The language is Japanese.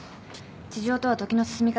地上とは時の進み方が違う竜